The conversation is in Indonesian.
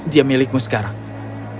dia milikmu sekarang